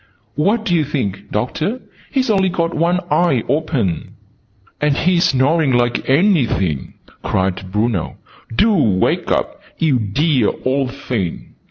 "What do you think, Doctor? He's only got one eye open!" "And he's snoring like anything!" cried Bruno. "Do wake up, you dear old thing!"